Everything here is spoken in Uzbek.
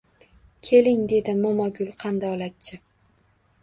– Keling, – dedi Momogul qandolatchi